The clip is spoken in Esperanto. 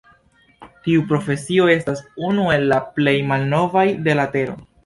Tiu profesio estas unu el la plej malnovaj de la tero.